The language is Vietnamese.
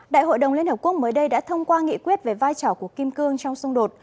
đại hội đồng liên hợp quốc mới đây đã thông qua nghị quyết về vai trò của kim cương trong xung đột